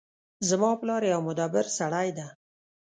زما پلار یو مدبر سړی ده